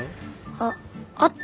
あっあった！